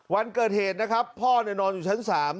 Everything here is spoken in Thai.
วันเกิดเหตุนะครับพ่อนอนอยู่ชั้น๓